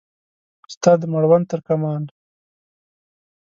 ستا د مړوند ترکمان